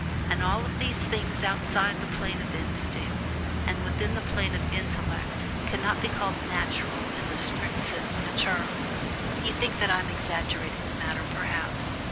And all of these things outside the plane of instinct, and within the plane of intellect, cannot be called "natural" in the strict sense of the term. You think that I am exaggerating the matter, perhaps.